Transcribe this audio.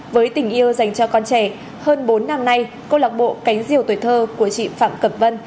với tình yêu dành cho con trẻ hơn bốn năm nay cô lạc bộ cánh diều tuổi thơ của chị phạm cẩm vân